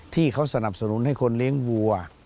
ที่เขาสนับสนุนให้คนเลี้ยงวัว